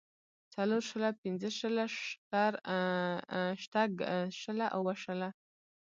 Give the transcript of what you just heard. څلور شله پنځۀ شله شټږ شله اووه شله